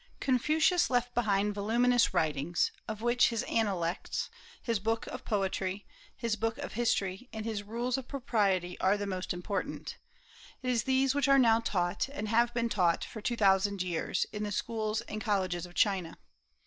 Confucius left behind voluminous writings, of which his Analects, his book of Poetry, his book of History, and his Rules of Propriety are the most important. It is these which are now taught, and have been taught for two thousand years, in the schools and colleges of China.